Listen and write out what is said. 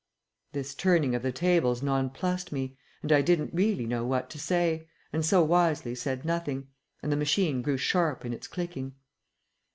This turning of the tables nonplussed me, and I didn't really know what to say, and so wisely said nothing, and the machine grew sharp in its clicking.